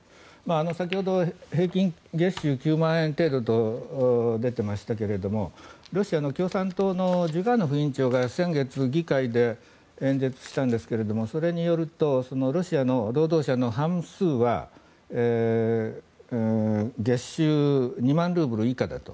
先ほど、平均月収９万円程度と出てましたがロシアの共産党のジュガーノフ委員長が先月、議会で演説したんですがそれによるとロシアの労働者の半数は月収２万ルーブル以下だと。